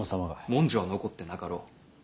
文書は残ってなかろう。